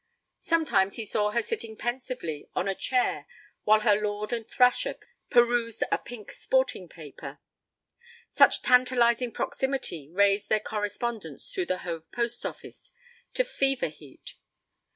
Sometimes he saw her sitting pensively on a chair while her lord and thrasher perused a pink sporting paper. Such tantalizing proximity raised their correspondence through the Hove Post Office to fever heat.